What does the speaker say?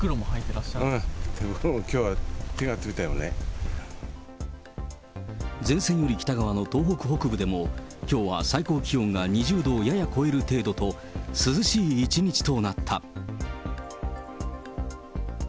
手袋もきょうは手が冷たいも前線より北側の東北北部でも、きょうは最高気温が２０度をやや超える程度と、涼しい一日となった。